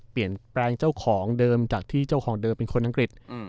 เปลี่ยนแปลงเจ้าของเดิมจากที่เจ้าของเดิมเป็นคนอังกฤษ